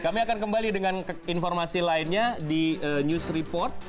kami akan kembali dengan informasi lainnya di news report